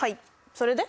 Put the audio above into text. それで？